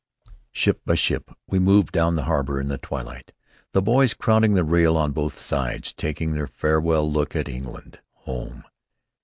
Ship by ship we moved down the harbor in the twilight, the boys crowding the rail on both sides, taking their farewell look at England home.